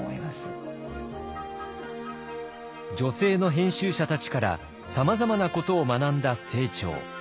女性の編集者たちからさまざまなことを学んだ清張。